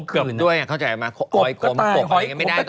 หอยขมหอยขมอะไรอย่างนี้ไม่ได้ต้องไปเป็นแบบ